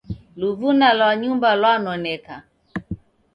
Luvuna lwa nyumba lwanoneka